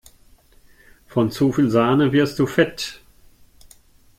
Von zu viel Sahne wirst du fett!